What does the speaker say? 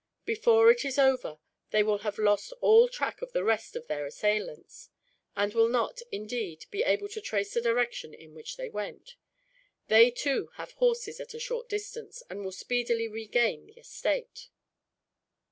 Before it is over, they will have lost all track of the rest of their assailants; and will not, indeed, be able to trace the direction in which they went. They, too, have horses at a short distance, and will speedily regain the estate."